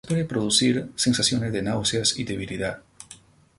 Se pueden producir sensaciones de náuseas y debilidad.